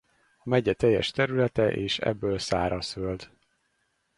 A megye teljes területe és ebből szárazföld.